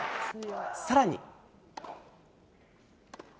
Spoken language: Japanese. さらに。